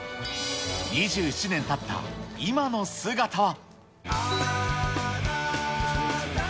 ２７年たった今の姿は。